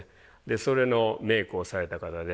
それのメイクをされた方で。